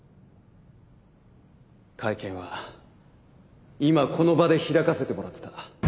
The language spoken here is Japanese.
会見は今この場で開かせてもらってた。